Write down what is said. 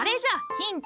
ヒント。